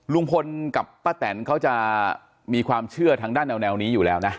ลุงพลกับป้าแตนเขาจะมีความเชื่อทางด้านแนวนี้อยู่แล้วนะ